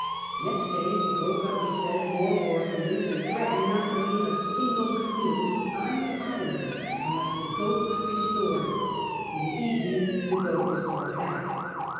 '' Nexe <lay ho broke u}), he says, more war canoes, and threatened not to leave a single canoe on the island unless the goat was restored. In the evening the goat was brought back.